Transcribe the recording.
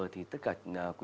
thì tất cả quý vị